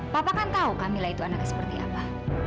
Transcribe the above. papa kan tahu camilla itu anaknya seperti apa